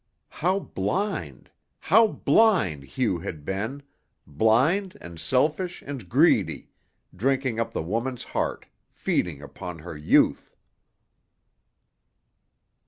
How blind, how blind Hugh had been, blind and selfish and greedy, drinking up the woman's heart, feeding upon her youth!